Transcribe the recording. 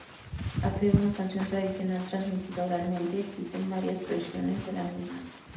Al ser una canción tradicional transmitida oralmente, existen varias versiones de la misma.